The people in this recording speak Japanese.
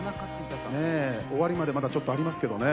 終わりまでまだちょっとありますけどね。